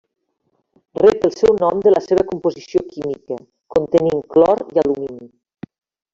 Rep el seu nom de la seva composició química, contenint clor i alumini.